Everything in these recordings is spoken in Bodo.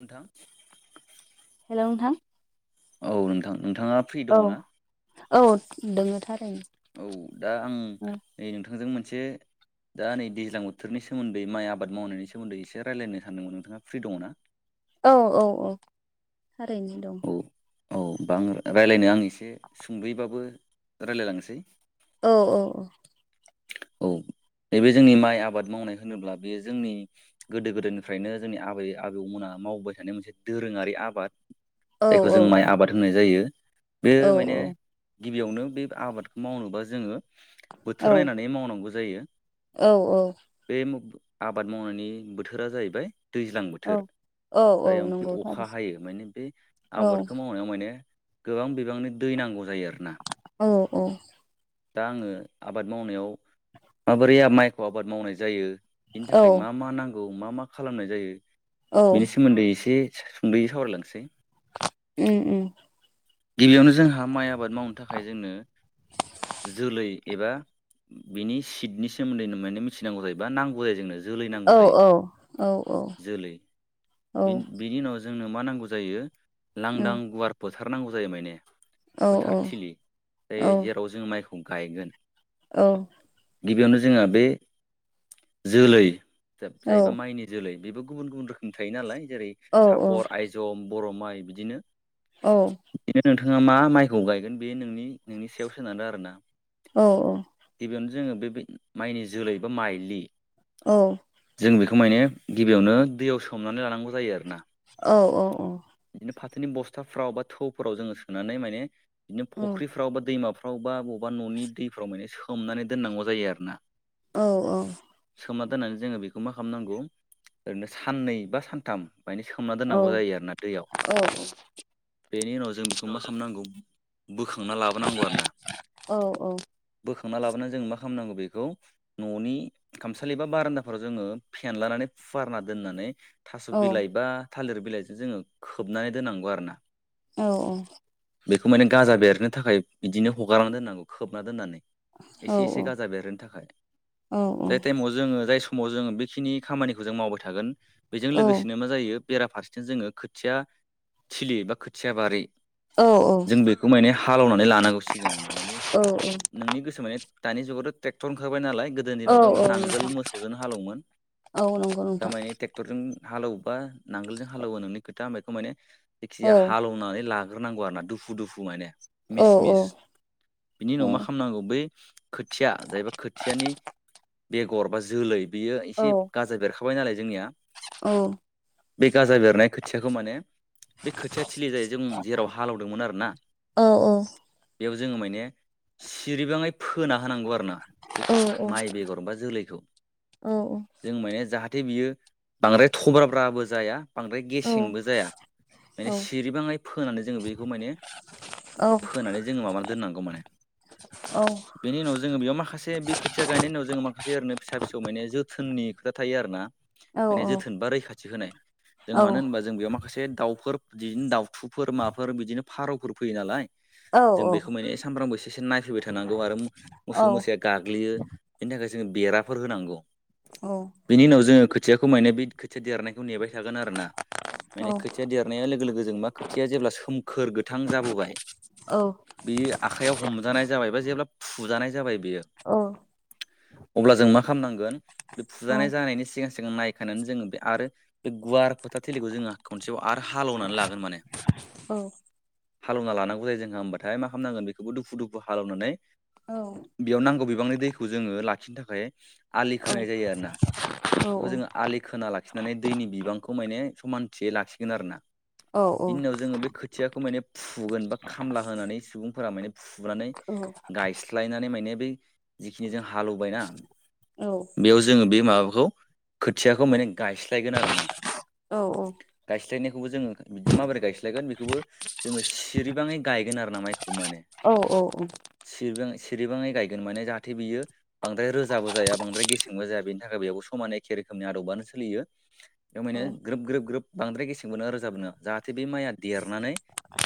नोंथां हेलौ नोंथां औ नोंथां नोंथाङा फ्रि औ दङ ना? औ दङ थार औ दा आं नै नोंथांजों मोनसे दा नै दैज्लां बोथोरनि सोमोन्दै माइ आबाद मावनायनि सोमोन्दै एसे रायजलायनो सानदोंमोन नोंथाङा फ्रि दङ ना? औ औ औ थारैनो दं। औ औ बा आङो रायज्लायनो आं एसे सुंद'यैबाबो रायजलायलांनोसै औ औ औ औ नैबे जोंनि माइ आबाद मावनाय होनोब्ला बे जोंनि गोदो गोदायनिफ्रायनो जोंनि आबै आबौमोना मावबाय थानाय मोनसे दोरोङारि आबाद। औ जायखौ जों माइ आबाद होननाय जायो औ बेयो माने गिबियावनो बे आबादखौ मावनोबा जोङो औ बोथोर नायनानै मावनांगौ जायो औ बे आबाद मावनायनि बोथोरा जाहैबाय दैज्लां औ बोथोर औ औ जायावनोखि नंगौ थारै अखा हायो माने बे औ आबादखौ मावनायाव माने गोबां बिबांनि दै नांगौ जायो आरो। औ औ दा आङो आबाद मावनायाव माबोरै माइखौ आबाद मावनाय जायो बेनि औ थाखाय मा मा नांगौ मा मा खालामनाय जायो औ बेनि सोमोन्दै एसे सुंद'यै सावरायलांनोसै । उम उम गिबियावनो जोंहा माइ आबाद मावनो थाखाय जोंनो जोलै एबा बिनि सिटनि सोमोन्दैनो माने मिथिनांगौ जायोबा नांगौ जायो जोंनो । जोलै नांगौ औ जायो औ जोलै औ बिन बिनि उनाव जोंनो मा नांगौ जायो लांदां गुवार फोथारनांगौ जायो माइने औ । औ फोथारथिलि जाय औ औ जेराव जों माइखौ गायगोन । औ गिबियावनो जोंहा बे जोलै जायबा माइनि जोलै बेबो गुबुन गुबुन रोखोमनि थायो नालाय जेरै सापर आयजम बङ माइ बिदिनो । औ नोंथाङा मा माइखौ गायगोन बे नोंनि नोंनि सायाव सोनारो आरो ना । औ औ जोङो बे बे माइनि जोलै बा माइलि औ जों बेखौ माने गिबियावनो दैयाव सोमनानै लानांगौ जायो आरोना । औ औ औ फाथोनि बस्थाफ्राव बा थौफ्राव जोङो सोननानै माने बिदिनो फुख्रिफ्राव बा दैमा फ्राव बा बबेबा न'नि दैफ्राव माने सोमनानै दोननांगौ जायो आरो ना । औ औ सोममा दोननानै जोङो बेखौ मा खालामनांगौ ओरैनो साननै बा सानथाम मायने दोननांगौ जायो आरोना दैयाव । बेनि उनाव जों बेखौ मा खालामनांगौ बोखांना लाबोनांगौ आरोना । औ औ बोखांना लाबोनानै जों मा खालामनांगौ बेखौ न'नि खामसालि एबा बारान्दाफोराव जोङो फेनलानानै फुवारना दोननानै थास' बिलाइ बा थालिर बिलाइजों जोङो खोबनानै दोननांगौ आरो ना बेखौ माने गाजा बेरनो थाखाय बिदिनो हगारना दोननांगौ खोबना दोननानै औ एसे एसे गाजा बेरनो थाखाय औ औ जाय टाइमाव जोङो जाय समाव जोङो बेखिनि खामानिखौ जों मावबाय थागोन बेजों औ औ लोगोसेनो मा जायो बेरा फारसेथिनो जोङो खोथिया थिलि बा खोथिया बारि जों बेखौ माने हालेवनानै लानांगौ सिगाङावनो माने औ नोंनि गोसो माने दानि जुगावथ' ट्रेक्टर ओंखारबाय नालाय गोदोनि औ दिनावथ' नांगोल मोसौजोंनो हालौवोमोन औ नोंथां थारमाने ट्रेक्टरजों हालौबा नांगोलजों हालौवो नोंनि खोथा बेखौ माने औ नंगौ नोंथां औ जेखिजाया हालौवनानै ला ग्रोनांगौ आरोना दुफु दुफु माने औ मिस औ मिस बिनि औ उनाव मा खालामनांगौ बै खोथिया जायबा खोथियानि बेगर बा जोलै बेयो औ एसे गाजा बेरखां बाय नालाय जोंनिया औ बे गाजा बेरनाय खोथियाखौ माने बे खोथिया थिलि जायो जों जेराव हालेवदोंमोन आरो ना औ औ बेयाव जोङो माने सिरिबाङै फोना होनांगौ आरो ना बे माइ बेगर बा जोलैखौ जों माने जाथे बियो बांद्राय थब्राब्राबो जाया बांद्राय गेसेंबो जाया माने सिरिबाङै फोनानै जोङो बेखौ माने फोनानै जोङो माबानानै दोननांगौ माने बेनि उनाव जोङो बेयाव मा खासे बे खोथिया गायनायनि उनाव जोङो माखासे ओरैनो फिसा फिसौ माने जोथोननि खोथा थायो आरोना माने औ जोथोन बा रैखाथि होनाय जों मानो होनबा जों बेयाव मा माखासे दाउफोर बिदिनो दाउथुफोर माफोर बिदिनो फारौफोर फैयो नालाय औ जों बेखौ माने सामफ्रामबो एसे एसे नायफैबाय थानांगौ आरो मोसौ मोसाया गाग्लियो बेनि थाखाय बेराफोर होनांगौ बेनि उनाव जोङो खोथियाखौ माने बे खोथिया देरनायखौ नेबाय थागोन आरोना माने खोथिया देरनाया लोगो लोगो जों मा खोथिया जेब्ला सोमखोर गोथां जाबोबाय बे आखाइआव हमजानाय जाबाय बा जेब्ला फुजानाय जाबाय बेयो अ अब्ला जों मा खामनांगोन बे फुजानाय जानायनि सिगां सिगां नायखांनानै जोङो बे आरो बे गुवार फोथार थिलिखौ जोङो खनसेबाव आरो हालेवनानै लागोन माने हालौना लानांगौ जायो जोंहा होम्बाथाय मा खामनांगोन बेखौबो दुफु दुफु हालेवनानै बेयाव नांगौ बि बांनि दैखौ जोङो लाखिनो थाखाय आलि खोनाय जायो आरोना, बेखौ जोङो आलि खोना लाखिनानै दैनि बिबांखौ माने समानथियै लाखिगोन आरो ना। बेनि उनाव जोङो बे खोथियाखौ माने फुगोन बा खामला होनानै सुबुंफोरा माने फुनानै गायस्लायनानै माने बै जिखिनि जों हालेवबायना बेयाव जोङो बे माबाखौ खोथियाखौ माने गाय गोन आरोना, गायस्लायनायखौबो जोङो बिदि माबोरै गायस्लायगोन बेखौबो जोङो सिरिबाङै गायगोन आरो ना माइ खौ माने सिरिबाङै सि सिरिबाङै गायगोन माने जाहाथे बियो बांद्राय रोजाबो जाया बांद्राय गेसेंबो जाया बेनि थाखाय बेयावबो समानै एखे रोखो खोमनि आदबानो सोलियो बेयाव माने ग्रोब ग्रोब ग्रोब बांद्राय गेसेंबो नोङा रोजाबो नोङा, जाहाथे बे माइआ देरनानै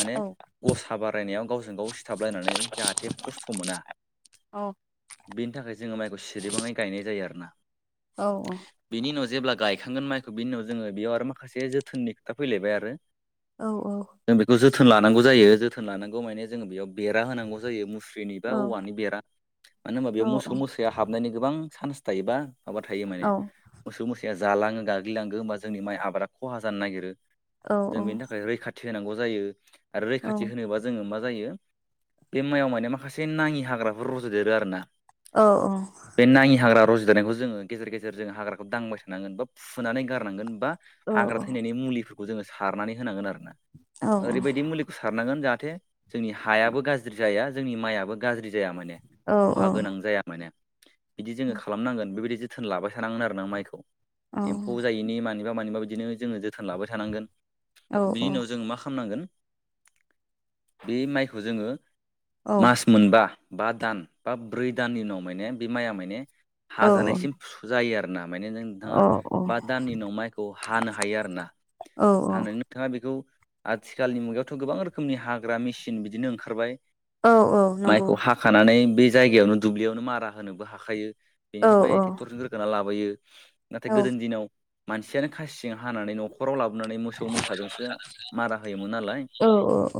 माने गसा बारायनायाव गावजों गाव सिथाबलायनानै जाहाथे खस्थ' मोना। बेनि थाखाय जोङो माइखौ सिरिबाङै गायनाय जायो आरो ना। बिनि उनाव जेब्ला गाय खांगोन माइखौ बिनि उनाव जोङो बेयाव आरो माखासे जोथोननि खोथा फैलायबाय आरो जों बेखौ जोथोन लानांगौ जायो जोथोन लानांगौ माने जोङो बेयाव बेरा होनांगौ जायो मुस्रि मुस्रिनि बा औवानि बेरा मानो होनबा बेयाव मोसौ मोसाया हाबनायनि गोबां चान्स थायो बा माबा थायो माने मोसौ मोसाया जालाङो गाग्लिलांगो होमबा जोंनि माइ आबादा खहा जानो नागिरो जों बेनि थाखाय रैखाथि होनांगौ जायो आरो रैखाथि होनोबा जोङो मा मा जायो, बे माइयाव माने माखासे नाङि हाग्राफोर रज'देरो आरोना औ औ बे नाङि हाग्रा रज'देरनायखौ जोङो गेजेर गेजेर जोङो हाग्राखौ दांबाय था थानांगोन बा फुनानै गारनांगोन बा हाग्रा थैनायनि मुलिफोरखौ जोङो सारनानै होनांगोन आरो। ओरैबायदि मुलिखौ सारनांगोन जाहाथे जोंनि हायाबो गाज्रि जाया। जोंनि माइआबो गाज्रि जाया माने, खहा गोनां जाया माने, बिदि जोङो खालामनांगोन बेबायदि जोथोन लाबाय थानांगोन आरो ना माइखौ, एम्फौ जायैनि माने बा मानिबा बिदिनो जोङो जोथोन लाबाय थानांगोन बिनि उनाव जों मा खामनांगोन बे माइखौ जोङो मास मोनबा बा दान बा ब्रै दाननि उनाव माने बे माइआ माने हाजानायसिम जायो आरो। माने नों नोंथाङा बा दाननि उनाव माइखौ हानो हायो आरोना हानानै नोंथाङा बेखौ आथिखालनि मुगायावथ' गोबां रोखोमनि हाग्रा मेचिन बिदिनो ओंखारबाय माइखौ हाखानानै बे जायगायावनो दुब्लियावनो मारा होनोबो हाखायो बेनिफ्राय बै टेक्टरजों रोगाना लाबोयो। नाथाय गोदोनि दिनाव मानसियानो खासिजों हानानै न' न'खराव लाबोनानै मोसौ मोसाजोंसो मारा होयोमोन नालाय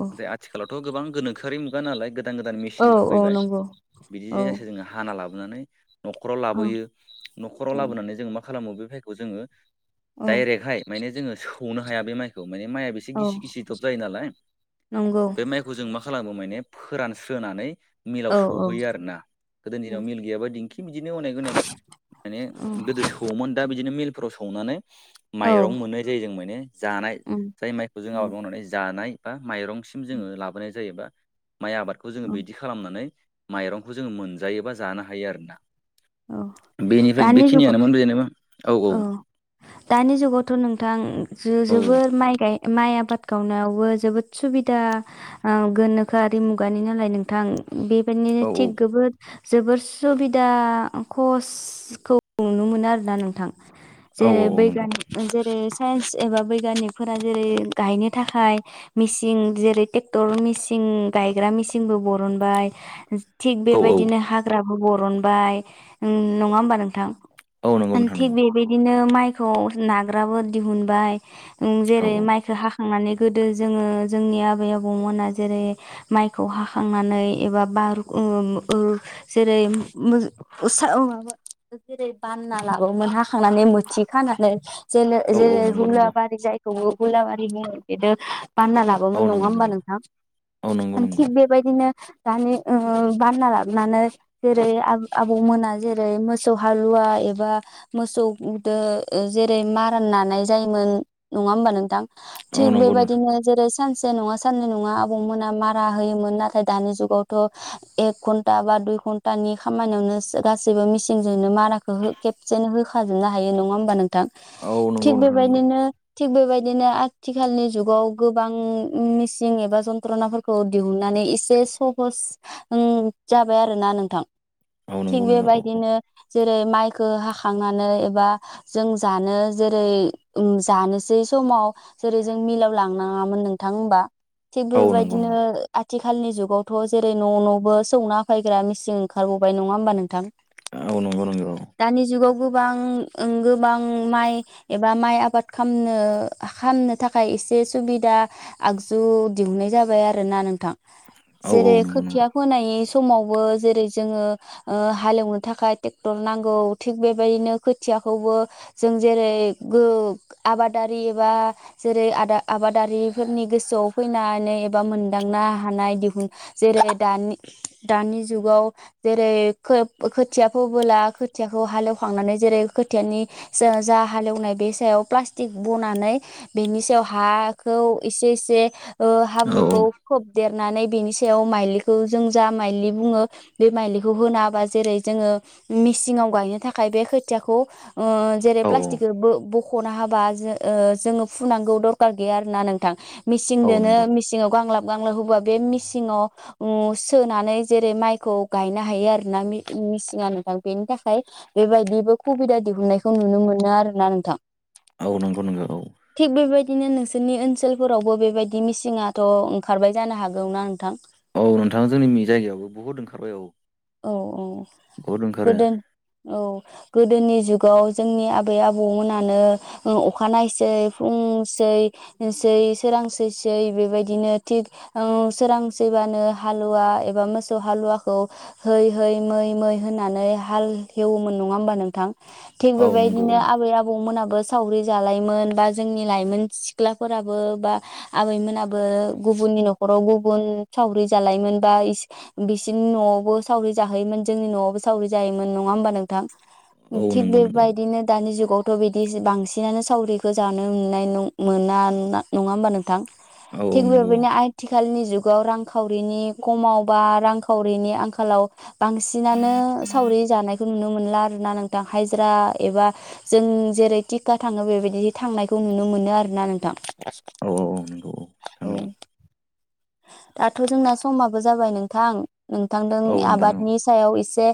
नाथाय आथिखालावथ' थ' गोबां गोनोखोआरि मुगा नालाय गोदान गोदान मेचिनफोर फैबाय दानि बिदिजों जायखिया जोङो हाना लाबो। नानै न'खराव लाबोयो न'खराव लाबोनानै जोङो मा खालामो बे भायखौ जोङो डाइरेक्टहाय माने जोङो सौनो हाया बे माइखौ माने माइआ एसे गिसि गिसि दब जायो नालाय बे माइखौ जों मा खालामो माने फोरानस्रोनानै मिलाव सहैयो आरोना, गोदोनि दिनाव मिल गैयाबा दिंखि बिदिनो अनेक अनेक माने गोदो सौवोमोन दा बिदिनो मिलफोराव सौनानै माइरं मोननाय जायो जों माने जानाय जाय माइखौ जों आबाद मावनानै जानाय। बा माइरंसिम जोङो लाबोनाय जायोबा माइ आबादखौ जोङो बिदि खालामनानै माइरंखौ जोङो मोनजायोबा जानो हायो आरोना। बेनिफ्राय जुगाव बेखिनियानोमोन बेज औ दानि जुगावथ' नोंथां। जो औ जबोद माइ माइ आबाद गावनायावबो जोबोद सुबिदा ओ गोनोख खोआरि मुगानि नालाय नोंथां बेबायदिनो औ थिग गोबोर जोबोर सुबिदा। कसखौ नुनो मोनो आरोना नोंथां औ जेरै औ नंगौ बैगानिक जेरै। साइन्स एबा बैगियानिकफोरा जेरै गायनो थाखाय मिचिं जेरै टेक्टर मेसि गायग्रा मेचिनबो बरनबाय। थिग औ औ बेबायदिनो हाग्राबो बरनबाय उम नङा होमबा नोंथां। औ नंगौ नोंथां थिग नंगौ बेबायदिनो माइखौ नाग्राबो दिहुनबाय। उम औ जेरै माइखो हाख खांनानै गोदो जोंङो जोंनि आबै आबौमोना जेरै माइखौ हाखांनानै एबा बा। बारख उम ओ जेरै मज उसाव ओ माबा जेरै बानना लाबोमोन हाखांनानै मोथि खानानै। जेनो औ औ जेरै नंगौ नंगौ हुलाबारि जायगबो गुलाबारिनि बिनो। बानना लाबोमोन औ नंङा नंगौ होमबा नंगौ औ नंगौ नोंथां थिग नंगौ बेबायदिनो। दानि ओ बानना लाबोनानै जेरै आब आबौमोना जेरै मोसौ हालुवा एबा मोसौदो ओ जेरै मारान नानाय जोयोमोन नङा होमबा नोंथां थि औ नंगौ नोंथां बेबायदिनो जेरै सानसे नङा साननै नङा आबौमोना मारा होयोमोन नाथाय दानि जुगावथ' एक घन्टा बा दुइ घन्थानि खा खामानियावनो सो गासैबो मिसिनजोंनो माराखो हो खेबसेनो होखाजोबनो हायो नङा होमबा नों थां औ थिग नंगौ नोंथां नंगौ बेबायदिनो। थिग बेबायदिनो आथिखालनि जुगाव गोबां मेचिं एबा जन्थ्रनाफोरखौ दिहुनना‌ नैे एसे सहस उम जाबाय आरोना नोंथां। औ थिग नंगौ नंगौ औ बेबायदिनो। जेरै माइखो हाखांनानै एबा जों जानो जेरै उम जानोसै स समाव जेरै जों मिलाव लांनाङामोन नोंथां हबा। थिग बे औ औ नंगौ नंगौ बेबायदिनो आथिखालनि जुगावथ' जेरै न' न'बो सौना फायग्रा मिचिं खारबावबाय नङा होमबा नोंथां। औ नोंगौ नोंगौ। गोबा ओंं गोबां माइ एबा माइ आबादनो खालामनो खामनो थाखाय ए से सुबिदा आगजु दिहुननाय जाबाय आरोना नोंथां। औ औ जेरै नंगौ नंगौ औ खोथिया फोनायनि समावबो जेरै ज जोङो ओ हालेवनो थाखाय टेक्टर नांगौ थिग बेबायदिनो खोथियाखौबो जो जेरै गो आबादारि एबा जेरै आदा आबादारिफोरनि गोसोआव फैनानै एबा मोनदांनो हानाय दिहुन जेरै दानि दानिजुगाव। जेरै खोब खोथिया फोबोला खोथियाखौ हालेवखांनानै जेरै खोथियानि जो जा हालेवनाय बे सायाव प्लास्टिक बनानै बेनि सायाव हाखौ एसे एसे। ओ औ औ हाब्रुखौ खोबदेरनानै बेनि सायाव माइलिखौ जों जा माइलि बुङो। बे माइलिखौ होनााबा जेरै जोङो मेसिंङाव गायनो थाखाय बे खोथियाखौ। ओ जेरै औ प्लास्टिखो बो बख ख'ना हाबा जो ओ जोङो फुनांगौ दरखार गैया आरोना नोंथां। औ मिसिंदोनो नंगौ मिसिंआव गांलाब। गांलाब होबा उम बे मिेसिंङाव उम सोनानै जेरै माइखौ। गायनो हायो आरो ना मि मिचिंङा नोंथां बेनि थाखाय बेबायदिबो खुबिदा दहुननायखौ नुनो मोनो मोनो आरोोना नोंथां औ नंगौ नंगौ औ थिग बेबायदिनो नोंसोरनि ओन सोलफोरावबो बेबायदि मिचिंङाथ' ओंखारबाय जानो हागौना नोंथां। औ नोंथाङा जोंनि जायगायावबो बुहुद ओंखारबाय औ। औ औ बुहुद ओंखारो गोदो औ गोदोनि जुग। गाव जोंनि आबै आबौमोनानो ओ अखानायनायसै फुंसै सै। सोरांसैसै बेबायदिनो थि सोरांसैबानो हालुवा एबा मोसौ हालुवाखौ है है मै मै होननानै हाल हेवोमोन नङा होमबा नोंथां। थिग औ नंगौ बेबायदिनो औ आबै आबौमोनाबो सावरि जालायमोन बा जोंनि लाइमोन सिख्लाफोराबो बा आबैमोनाबो गुबुन आोंनि न'खराव गुबुन सावरि जालायोम बा बिसिोरनि न'आवबो सावरि जाहोोमोन जोंनि न'आवबो सावरि जायोमोन नङा होमबा नोंथां औ थि नंगौ नंगौ बेबायदिनो दानि जुगाव थ' बिदि बांसिनानो सावरिखौो जानो मोननाय मोना नङा होमबा नोंथां औ थिग औ नंगौ बेबायदिनो आथिखालनि जुगाव रांखावरिनि खमावबा रांखावरिनि आंखाल आथिखालाव बांसिनानो सावरि जानायखौ नुनो मोनला आरोना नोंथां हाजिरा एबा जों जेरै थटिका थाङो बेबायदि थांनायखौ नुनो मोनो आरोना नोंथां औ औ। नंगौ औ। नंगौ दाथ' जोंना समाबो जाबाय नोंथां नोंथांदों औ नोंथां औ आबादनि सायाव एसे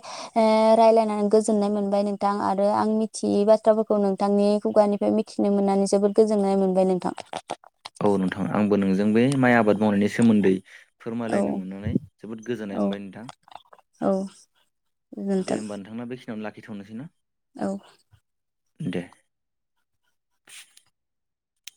रायलायनानै गोजोननाय मोनबाय नोंथां आरो आं मिथियै बाथ्राफोरखौ नोंथांनि खुगानिफ्राय ओमफ्राय मिथिनो मोननानै जोबोद गोजोननाय मोनबाय नोंथां। औ नोंथां आंबो नोंजों बे माइ आबाद मावनायनि सोमोन्दै फोरमायलायनो औ मोननानै जोबोद गोजोननाय औ मोनबाय नोंथां। औ दे गोजोन्थों होमबा नोंथांना बेखिनियावनो लाखिथ'नोसै ना। औ। दे।